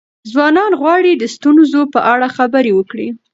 ځوانان غواړي د ستونزو په اړه خبرې وکړي.